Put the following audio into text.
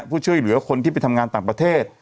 ผู้ช่วยเหลือคนที่ไปทำงานต่างประเทศ